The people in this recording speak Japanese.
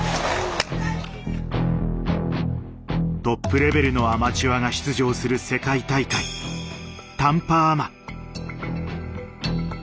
トップレベルのアマチュアが出場する世界大会タンパアマ。